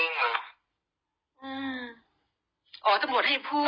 อ๋อตำรวจให้พูด